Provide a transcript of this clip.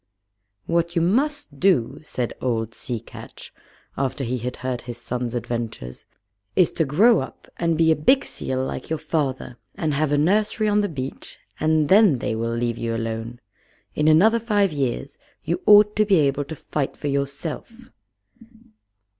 "What you must do," said old Sea Catch, after he had heard his son's adventures, "is to grow up and be a big seal like your father, and have a nursery on the beach, and then they will leave you alone. In another five years you ought to be able to fight for yourself."